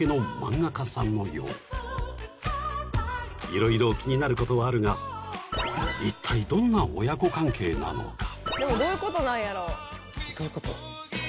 ［色々気になることはあるがいったいどんな親子関係なのか］